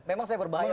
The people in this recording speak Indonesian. memang saya berbahaya